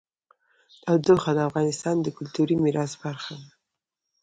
تودوخه د افغانستان د کلتوري میراث برخه ده.